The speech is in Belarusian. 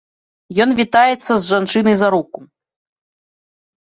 Ён вітаецца з жанчынай за руку.